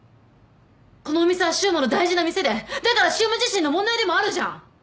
このお店は柊磨の大事な店でだから柊磨自身の問題でもあるじゃん。